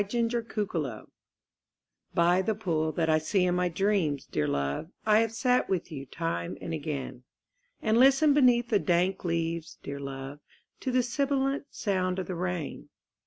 THE POOL By the pool that I see in my dreams, dear love, I have sat with you time and again; And listened beneath the dank leaves, dear love, To the sibilant sound of the rain.